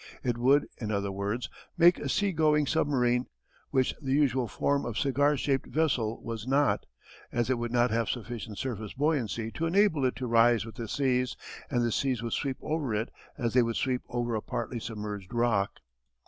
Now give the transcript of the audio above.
It would, in other words, make a "sea going submarine," which the usual form of cigar shaped vessel was not, as it would not have sufficient surface buoyancy to enable it to rise with the seas and the seas would sweep over it as they would sweep over a partly submerged rock.